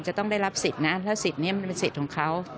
จะต้องได้รับสิทธิ์นะถ้าสิทธิ์นี้มันเป็นสิทธิ์ของเขา